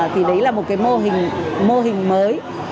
thì đấy là một cái mô hình mới